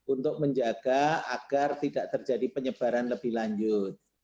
untuk menjaga agar tidak terjadi penyebaran lebih lanjut